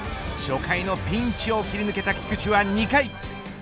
初回のピンチを切り抜けた菊池は２回。